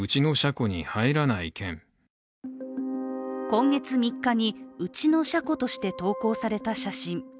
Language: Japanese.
今月３日に「うちの車庫」として投稿された写真。